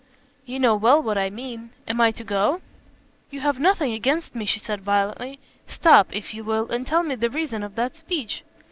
"You know well what I mean. Am I to go?" "You have nothing against me," she said violently, "stop, if you will, and tell me the reason of that speech."